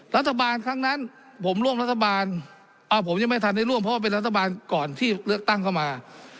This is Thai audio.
รัฐบาลครั้งนั้นผมร่วมรัฐบาลเอาผมยังไม่ทันได้ร่วมเพราะว่าเป็นรัฐบาลก่อนที่เลือกตั้งเข้ามา